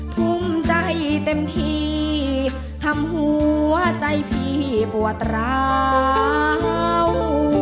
ภูมิใจเต็มที่ทำหัวใจพี่ปวดร้าว